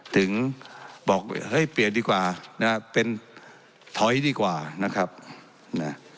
ถึงบอกเฮ้ยเปลี่ยนดีกว่านะเป็นถอยดีกว่านะครับนะ